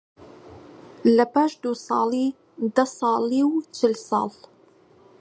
لەپاش دوو ساڵی، دە ساڵی و چل ساڵ